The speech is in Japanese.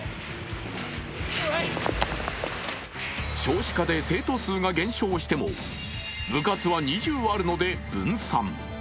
少子化で生徒数が減少しても部活は２０あるので分散。